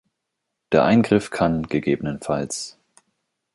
Der Eingriff kann ggf.